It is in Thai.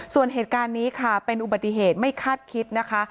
ส่วนเหตุการณ์นี้ค่ะเป็นอุบัติเหตุไม่คาดคิดนะคะ